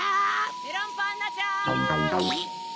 ・メロンパンナちゃん・ゲッ！